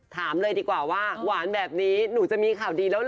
ถามเลยดีกว่าว่าหวานแบบนี้หนูจะมีข่าวดีแล้วเห